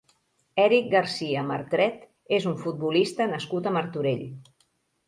Eric García Martret és un futbolista nascut a Martorell.